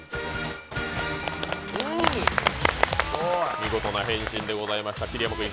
見事な変身でございました。